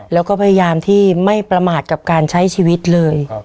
แล้วก็พยายามที่ไม่ประมาทกับการใช้ชีวิตเลย